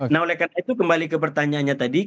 nah oleh karena itu kembali ke pertanyaannya tadi